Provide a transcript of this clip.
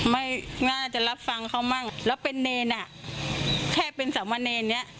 ไม่น่าจะรับฟังเขามั่งแล้วเป็นเนรอ่ะแค่เป็นสามเณรเนี้ย